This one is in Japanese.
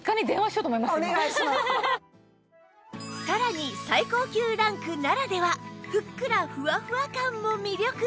さらに最高級ランクならではふっくらふわふわ感も魅力！